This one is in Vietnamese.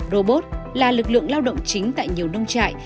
robot là lực lượng lao động chính tại nhiều nông trại